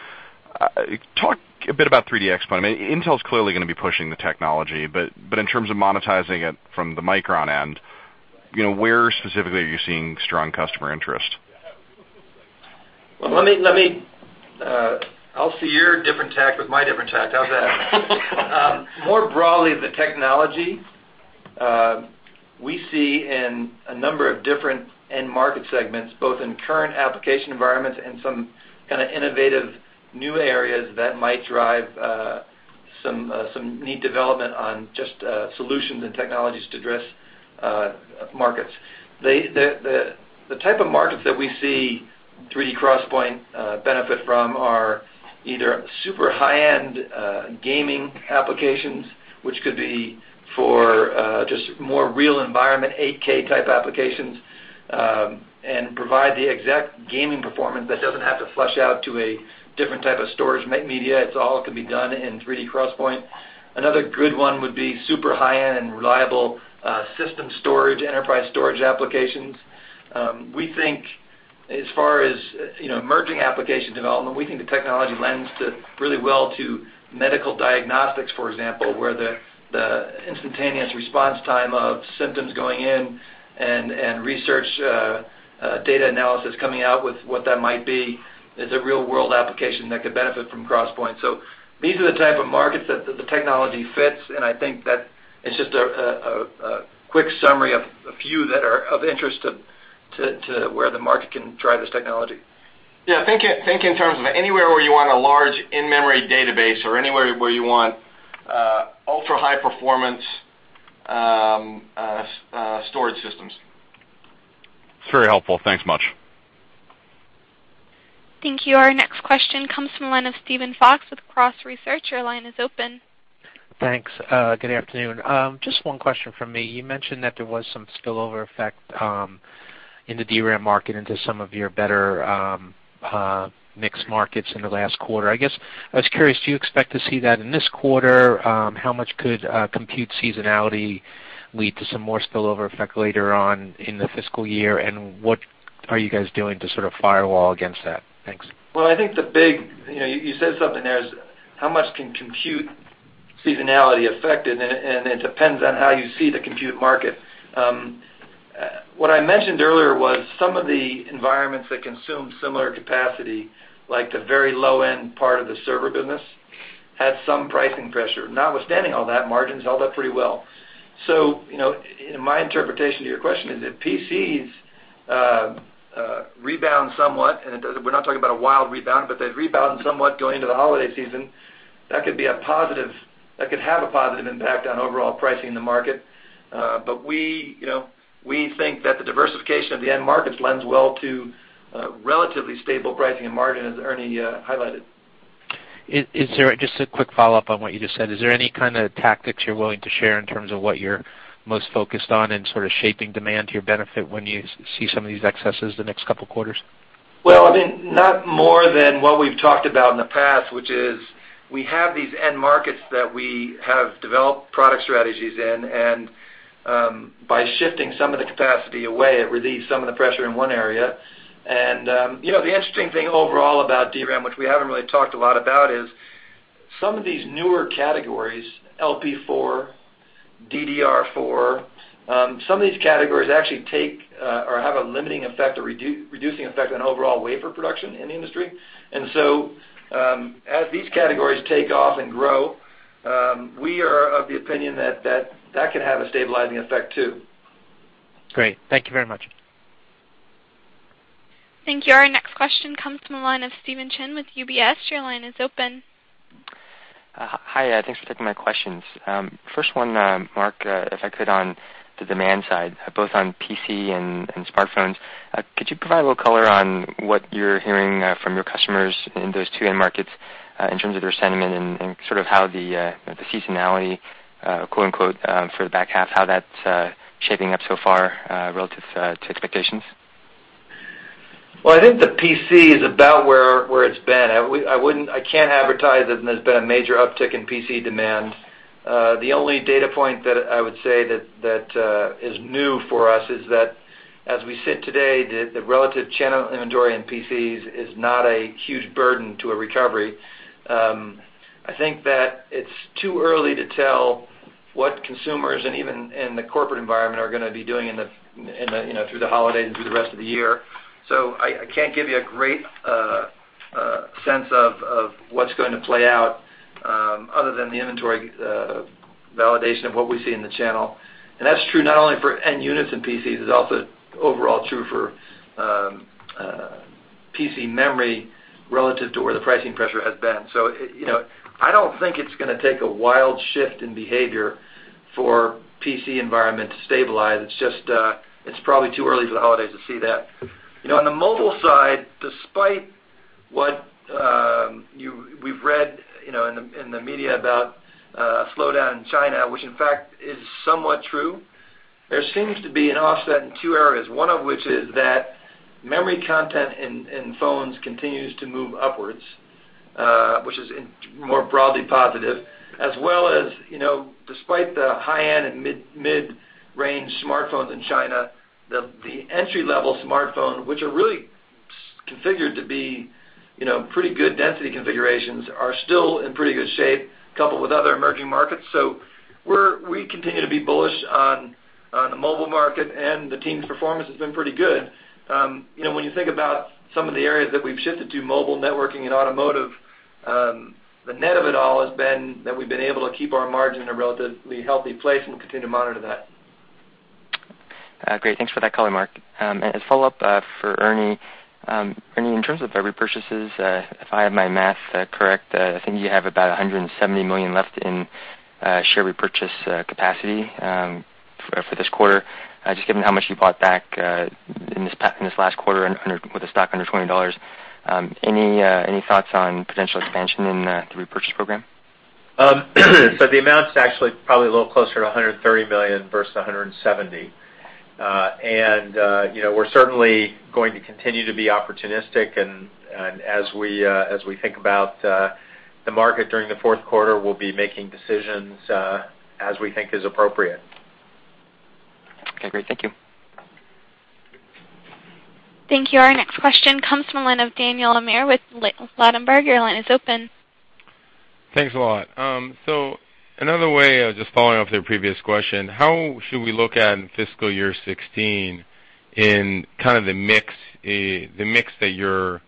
Talk a bit about 3D XPoint. Intel's clearly going to be pushing the technology, but in terms of monetizing it from the Micron end, where specifically are you seeing strong customer interest? Well, I'll see your different tact with my different tact. How's that? More broadly, the technology, we see in a number of different end market segments, both in current application environments and some kind of innovative new areas that might drive some neat development on just solutions and technologies to address markets. The type of markets that we see 3D XPoint benefit from are either super high-end gaming applications, which could be for just more real environment, 8K-type applications, and provide the exact gaming performance that doesn't have to flush out to a different type of storage media. It all can be done in 3D XPoint. Another good one would be super high-end and reliable system storage, enterprise storage applications. We think as far as emerging application development, we think the technology lends really well to medical diagnostics, for example, where the instantaneous response time of symptoms going in and research data analysis coming out with what that might be is a real-world application that could benefit from XPoint. These are the type of markets that the technology fits, and I think that it's just a quick summary of a few that are of interest to where the market can drive this technology. Yeah, think in terms of anywhere where you want a large in-memory database or anywhere where you want ultra-high performance storage systems. It's very helpful. Thanks much. Thank you. Our next question comes from the line of Steven Fox with Cross Research. Your line is open. Thanks. Good afternoon. Just one question from me. You mentioned that there was some spillover effect in the DRAM market into some of your better mixed markets in the last quarter. I guess I was curious, do you expect to see that in this quarter? How much could compute seasonality lead to some more spillover effect later on in the fiscal year? What are you guys doing to sort of firewall against that? Thanks. Well, I think you said something there, is how much can compute seasonality affect it. It depends on how you see the compute market. What I mentioned earlier was some of the environments that consume similar capacity, like the very low-end part of the server business, had some pricing pressure. Notwithstanding all that, margins held up pretty well. My interpretation to your question is if PCs rebound somewhat, we're not talking about a wild rebound, but they rebound somewhat going into the holiday season, that could have a positive impact on overall pricing in the market. We think that the diversification of the end markets lends well to relatively stable pricing and margin, as Ernie highlighted. Just a quick follow-up on what you just said. Is there any kind of tactics you're willing to share in terms of what you're most focused on in sort of shaping demand to your benefit when you see some of these excesses the next couple of quarters? Well, I mean, not more than what we've talked about in the past, which is we have these end markets that we have developed product strategies in. By shifting some of the capacity away, it relieves some of the pressure in one area. The interesting thing overall about DRAM, which we haven't really talked a lot about, is some of these newer categories, LP4, DDR4, some of these categories actually take or have a limiting effect, a reducing effect on overall wafer production in the industry. As these categories take off and grow, we are of the opinion that that could have a stabilizing effect, too. Great. Thank you very much. Thank you. Our next question comes from the line of Stephen Chin with UBS. with UBS. Your line is open. Hi. Thanks for taking my questions. First one, Mark, if I could, on the demand side, both on PC and smartphones, could you provide a little color on what you're hearing from your customers in those two end markets in terms of their sentiment and sort of how the seasonality, quote-unquote, for the back half, how that's shaping up so far relative to expectations? Well, I think the PC is about where it's been. I can't advertise that there's been a major uptick in PC demand. The only data point that I would say that is new for us is that as we sit today, the relative channel inventory in PCs is not a huge burden to a recovery. I think that it's too early to tell what consumers and even in the corporate environment are going to be doing through the holiday and through the rest of the year. I can't give you a great sense of what's going to play out other than the inventory validation of what we see in the channel. That's true not only for end units and PCs, it's also overall true for PC memory relative to where the pricing pressure has been. I don't think it's going to take a wild shift in behavior for PC environment to stabilize, it's probably too early for the holidays to see that. On the mobile side, despite what we've read in the media about a slowdown in China, which in fact is somewhat true, there seems to be an offset in two areas. One of which is that memory content in phones continues to move upwards, which is more broadly positive, as well as despite the high-end and mid-range smartphones in China, the entry-level smartphone, which are really configured to be pretty good density configurations, are still in pretty good shape, coupled with other emerging markets. We continue to be bullish on the mobile market, and the team's performance has been pretty good. When you think about some of the areas that we've shifted to mobile, networking, and automotive, the net of it all has been that we've been able to keep our margin in a relatively healthy place, and we'll continue to monitor that. Great. Thanks for that color, Mark. A follow-up for Ernie. Ernie, in terms of the repurchases, if I have my math correct, I think you have about $170 million left in share repurchase capacity for this quarter. Just given how much you bought back in this last quarter with the stock under $20, any thoughts on potential expansion in the repurchase program? The amount is actually probably a little closer to $130 million versus $170. We're certainly going to continue to be opportunistic, and as we think about the market during the fourth quarter, we'll be making decisions as we think is appropriate. Okay, great. Thank you. Thank you. Our next question comes from the line of Daniel Amir with Ladenburg. Your line is open. Thanks a lot. Another way, just following up with your previous question, how should we look at fiscal year 2016 in the mix that you're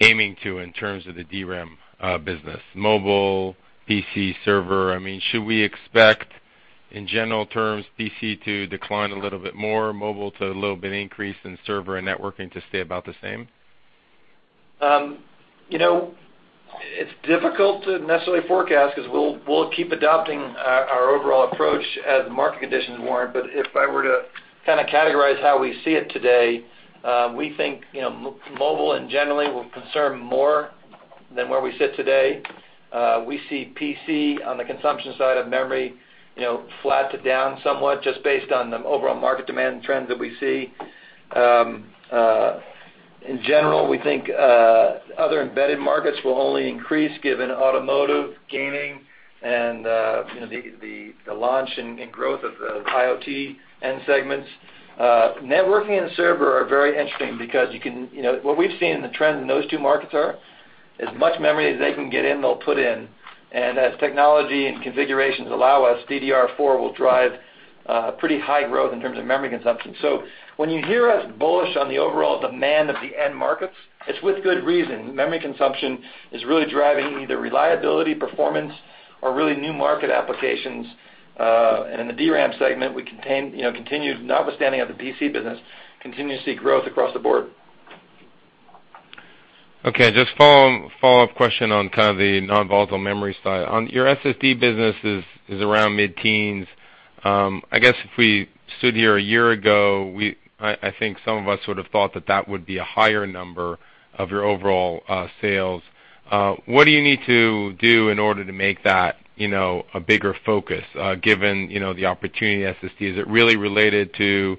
aiming to in terms of the DRAM business, mobile, PC, server? Should we expect, in general terms, PC to decline a little bit more, mobile to a little bit increase, and server and networking to stay about the same? It's difficult to necessarily forecast because we'll keep adopting our overall approach as market conditions warrant. If I were to categorize how we see it today, we think mobile and generally will consume more than where we sit today. We see PC on the consumption side of memory, flat to down somewhat, just based on the overall market demand trends that we see. In general, we think other embedded markets will only increase given automotive, gaming, and the launch and growth of IoT end segments. Networking and server are very interesting because what we've seen in the trends in those two markets are, as much memory as they can get in, they'll put in. As technology and configurations allow us, DDR4 will drive pretty high growth in terms of memory consumption. When you hear us bullish on the overall demand of the end markets, it's with good reason. Memory consumption is really driving either reliability, performance, or really new market applications. In the DRAM segment, notwithstanding of the PC business, continue to see growth across the board. Okay. Just follow-up question on the non-volatile memory side. Your SSD business is around mid-teens. I guess if we stood here a year ago, I think some of us would have thought that that would be a higher number of your overall sales. What do you need to do in order to make that a bigger focus, given the opportunity in SSD? Is it really related to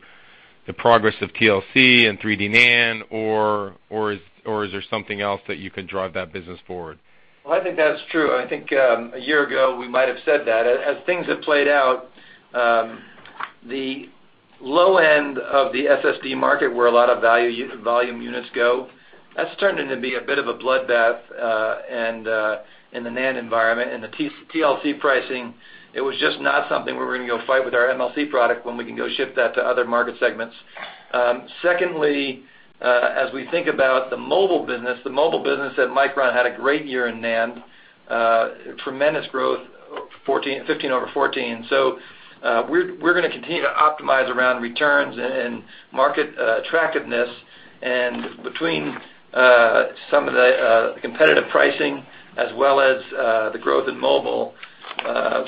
the progress of TLC and 3D NAND, or is there something else that you could drive that business forward? Well, I think that's true. I think a year ago, we might have said that. As things have played out, the low end of the SSD market, where a lot of volume units go, that's turned in to be a bit of a bloodbath in the NAND environment. The TLC pricing, it was just not something we were going to go fight with our MLC product when we can go ship that to other market segments. Secondly, as we think about the mobile business, the mobile business at Micron had a great year in NAND. Tremendous growth, 2015 over 2014. We're going to continue to optimize around returns and market attractiveness. Between some of the competitive pricing as well as the growth in mobile,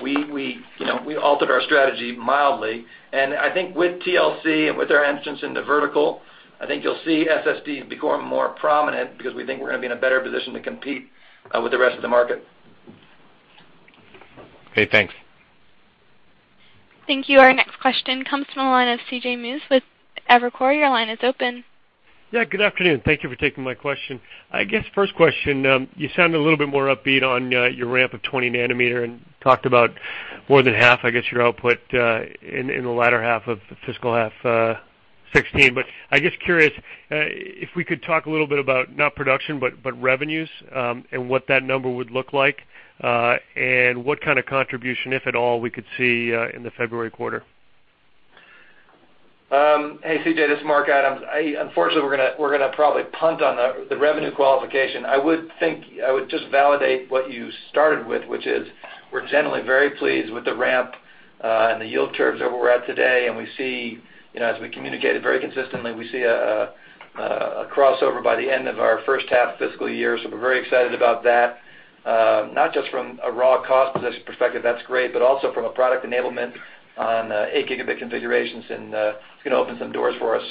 we altered our strategy mildly. I think with TLC and with our entrance in the vertical, I think you'll see SSD become more prominent because we think we're going to be in a better position to compete with the rest of the market. Okay, thanks. Thank you. Our next question comes from the line of C.J. Muse with Evercore. Your line is open. Yeah, good afternoon. Thank you for taking my question. I guess first question, you sounded a little bit more upbeat on your ramp of 20 nanometer and talked about more than half, I guess, your output in the latter half of the fiscal half 2016. I guess curious, if we could talk a little bit about not production, but revenues, and what that number would look like, and what kind of contribution, if at all, we could see in the February quarter. Hey, C.J., this is Mark Adams. Unfortunately, we're going to probably punt on the revenue qualification. I would just validate what you started with, which is we're generally very pleased with the ramp and the yield curves where we're at today, as we communicated very consistently, we see a crossover by the end of our first half fiscal year. We're very excited about that. Not just from a raw cost perspective, that's great, but also from a product enablement on 8 gigabit configurations. It's going to open some doors for us.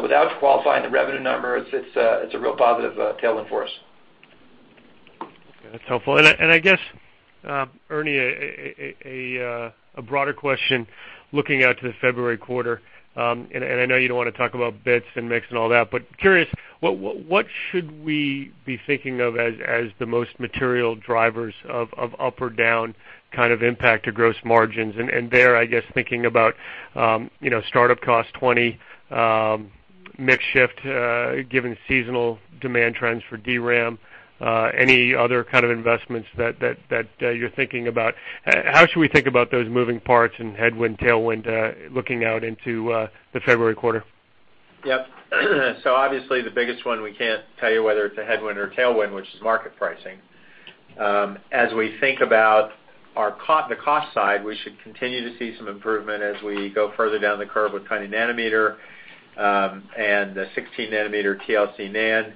Without qualifying the revenue numbers, it's a real positive tailwind for us. That's helpful. I guess, Ernie, a broader question looking out to the February quarter. I know you don't want to talk about bits and mix and all that, but curious, what should we be thinking of as the most material drivers of up or down kind of impact to gross margins? And there, I guess thinking about startup cost 20, mix shift, given seasonal demand trends for DRAM, any other kind of investments that you're thinking about. How should we think about those moving parts and headwind, tailwind, looking out into the February quarter? Yep. Obviously the biggest one, we can't tell you whether it's a headwind or a tailwind, which is market pricing. As we think about the cost side, we should continue to see some improvement as we go further down the curve with 20 nanometer, and the 16 nanometer TLC NAND.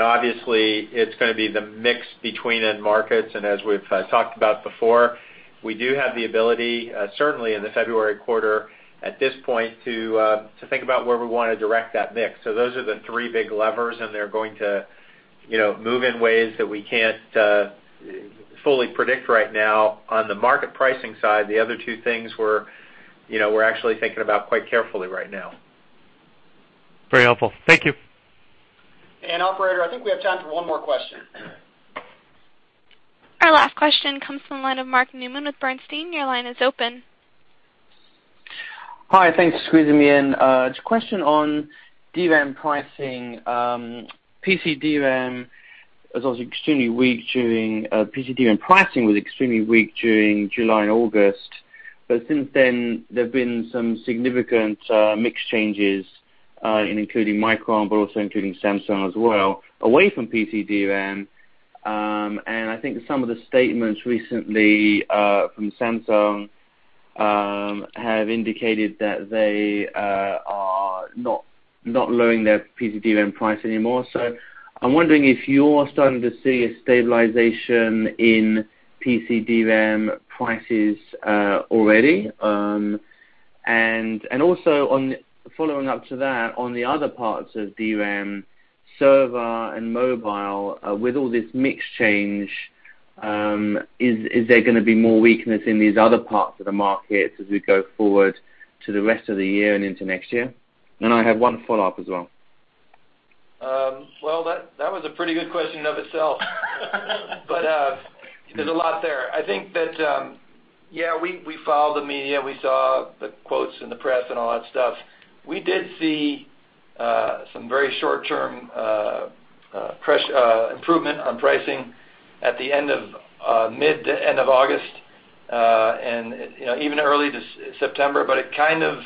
Obviously it's going to be the mix between end markets. As we've talked about before, we do have the ability, certainly in the February quarter at this point to think about where we want to direct that mix. Those are the three big levers, and they're going to move in ways that we can't fully predict right now. On the market pricing side, the other two things we're actually thinking about quite carefully right now. Very helpful. Thank you. Operator, I think we have time for one more question. Our last question comes from the line of Mark Newman with Bernstein. Your line is open. Hi. Thanks for squeezing me in. Just a question on DRAM pricing. PC DRAM pricing was extremely weak during July and August, but since then, there have been some significant mix changes including Micron, but also including Samsung as well, away from PC DRAM. I think some of the statements recently from Samsung have indicated that they are not lowering their PC DRAM price anymore. I'm wondering if you're starting to see a stabilization in PC DRAM prices already. Also following up to that, on the other parts of DRAM, server and mobile, with all this mix change, is there going to be more weakness in these other parts of the markets as we go forward to the rest of the year and into next year? I have one follow-up as well. Well, that was a pretty good question in of itself, there's a lot there. I think that, yeah, we followed the media, we saw the quotes in the press and all that stuff. We did see some very short-term improvement on pricing at the mid to end of August, and even early September. It kind of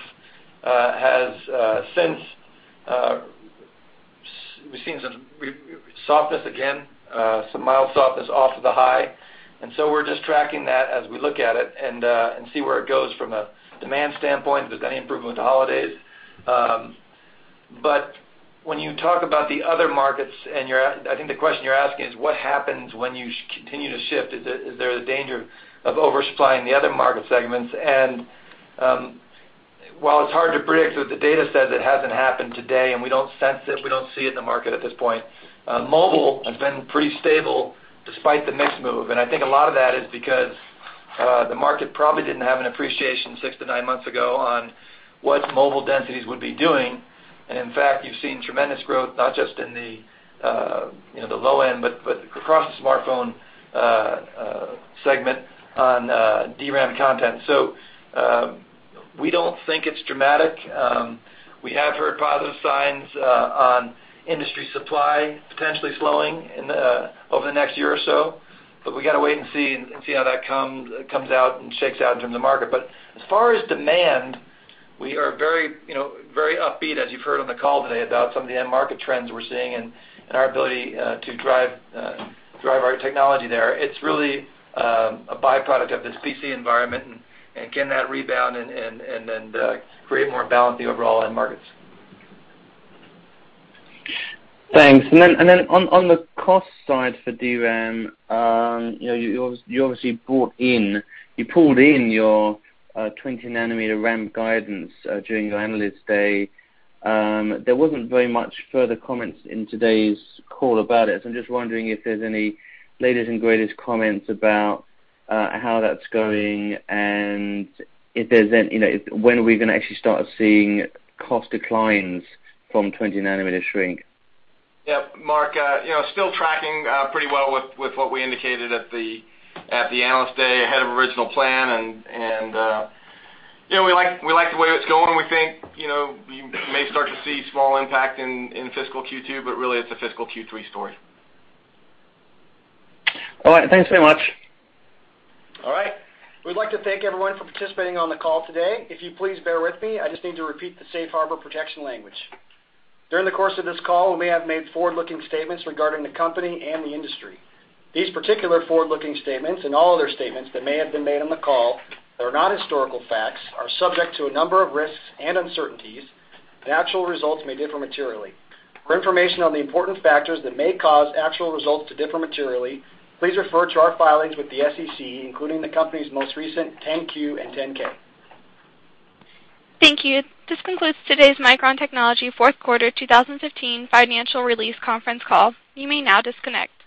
has since, we've seen some softness again, some mild softness off of the high. We're just tracking that as we look at it and see where it goes from a demand standpoint, if there's any improvement with the holidays. When you talk about the other markets, and I think the question you're asking is what happens when you continue to shift. Is there a danger of oversupplying the other market segments? While it's hard to predict with the data set, that hasn't happened today, and we don't sense it, we don't see it in the market at this point. Mobile has been pretty stable despite the mix move. I think a lot of that is because, the market probably didn't have an appreciation six to nine months ago on what mobile densities would be doing. In fact, you've seen tremendous growth, not just in the low end, but across the smartphone segment on DRAM content. We don't think it's dramatic. We have heard positive signs on industry supply potentially slowing over the next year or so, we got to wait and see how that comes out and shakes out from the market. As far as demand, we are very upbeat, as you've heard on the call today, about some of the end market trends we're seeing and our ability to drive our technology there. It's really a by-product of this PC environment, and again, that rebound and then create more balance in the overall end markets. Thanks. On the cost side for DRAM, you obviously pulled in your 20 nanometer RAM guidance during your analyst day. There wasn't very much further comments in today's call about it. I'm just wondering if there's any latest and greatest comments about how that's going, and when are we going to actually start seeing cost declines from 20 nanometer shrink? Yep. Mark, still tracking pretty well with what we indicated at the analyst day, ahead of original plan, and we like the way it's going. We think you may start to see small impact in fiscal Q2, but really it's a fiscal Q3 story. All right. Thanks very much. All right. We'd like to thank everyone for participating on the call today. If you'd please bear with me, I just need to repeat the safe harbor protection language. During the course of this call, we may have made forward-looking statements regarding the company and the industry. These particular forward-looking statements, and all other statements that may have been made on the call that are not historical facts, are subject to a number of risks and uncertainties, and actual results may differ materially. For information on the important factors that may cause actual results to differ materially, please refer to our filings with the SEC, including the company's most recent 10-Q and 10-K. Thank you. This concludes today's Micron Technology fourth quarter 2015 financial release conference call. You may now disconnect.